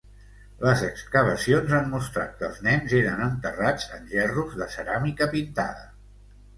Les excavacions han mostrat que els nens eren enterrats en gerros de ceràmica pintada.